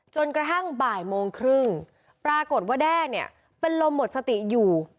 จนกระทั่งบ่ายโมงครึ่งปรากฏว่าแด้เนี่ยเป็นลมหมดสติอยู่